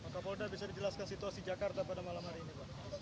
kapolda bisa dijelaskan situasi jakarta pada malam hari ini